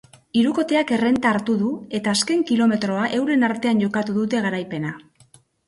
Hirukoteak errenta hartu du eta azken kilometroa euren artean jokatu dute garaipena.